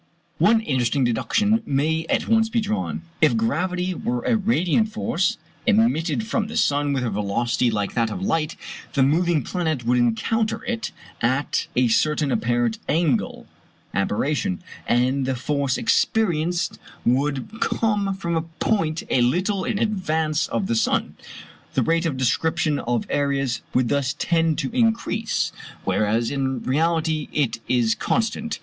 One interesting deduction may at once be drawn. If gravity were a radiant force emitted from the sun with a velocity like that of light, the moving planet would encounter it at a certain apparent angle (aberration), and the force experienced would come from a point a little in advance of the sun. The rate of description of areas would thus tend to increase; whereas in reality it is constant.